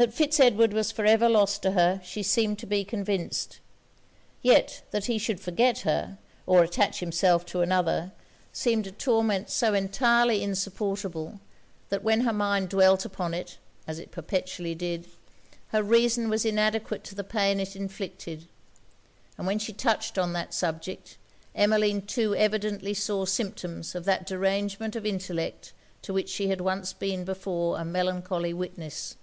That Fitz Edward was for ever lost to her, she seemed to be convinced; yet that he should forget her, or attach himself to another, seemed a torment so entirely insupportable, that when her mind dwelt upon it, as it perpetually did, her reason was inadequate to the pain it inflicted; and when she touched on that subject, Emmeline too evidently saw symptoms of that derangement of intellect to which she had once before been a melancholy witness.